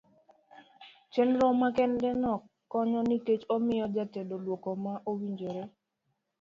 chenro makende no konyo nikech omiyo ja tedo duoko ma owinjore.